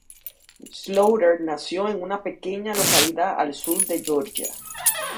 Slaughter nació en una pequeña localidad al sur de Georgia.